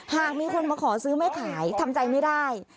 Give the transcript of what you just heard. หากมีคนมาขอซื้อไม่ขายทำใจไม่ได้